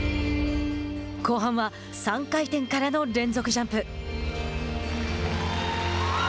後半は３回転からの連続ジャンプ。